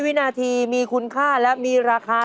๑๐๐วินาทีมีคุณค่าและราคา